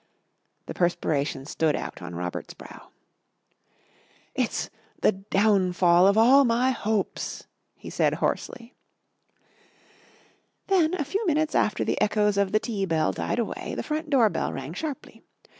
The perspiration stood out on Robert's brow. "It's the downfall of all my hopes," he said hoarsely. Then, a few minutes after the echoes of the tea bell died away, the front door bell rang sharply.